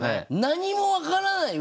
何も分からない